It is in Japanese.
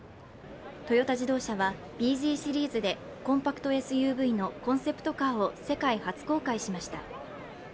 トヨタ自動車はｂＺシリーズでコンパクトＳＵＶのコンセプトカーを世界初公開しました。